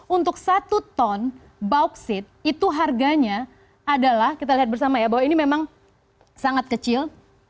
untuk satu ton bauksit itu harganya adalah kita lihat bersama ya bahwa ini memang sangat kecil